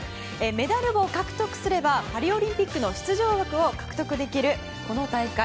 メダルを獲得すればパリオリンピックの出場枠を獲得できるこの大会。